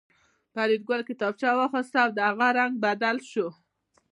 فریدګل کتابچه واخیسته او د هغه رنګ بدل شو